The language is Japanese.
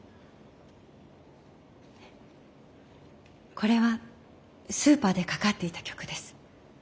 これはスーパーでかかっていた曲です。